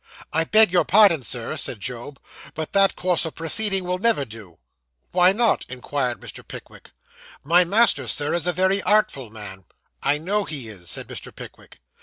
'I beg your pardon, Sir,' said Job, 'but that course of proceeding will never do.' 'Why not?' inquired Mr. Pickwick. 'My master, sir, is a very artful man.' 'I know he is,' said Mr. Pickwick.